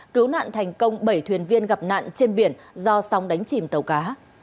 cứu nạn thành công bảy thuyền viên gặp nạn trên biển do sóng đánh chìm tàu cá